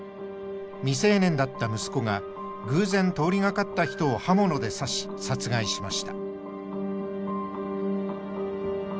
未成年だった息子が偶然通りがかった人を刃物で刺し殺害しました。